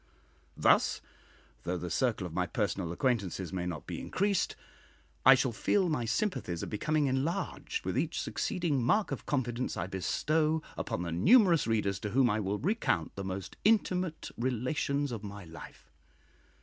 Thus, though the circle of my personal acquaintances may not be increased, I shall feel my sympathies are becoming enlarged with each succeeding mark of confidence I bestow upon the numerous readers to whom I will recount the most intimate relations of my life.